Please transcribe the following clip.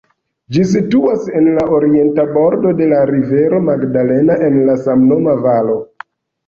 Ĝi situas en la orienta bordo de la rivero Magdalena, en la samnoma valo.